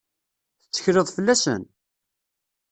Tettekleḍ fell-asen?